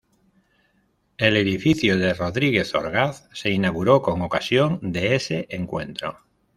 El edificio de Rodríguez Orgaz se inauguró con ocasión de ese encuentro.